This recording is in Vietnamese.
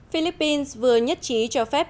philippines vừa nhất trí cho phép